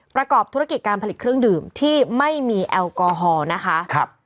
ประกอบธุรกิจการผลิตเครื่องดื่มที่ไม่มีแอลกอฮอล์นะคะ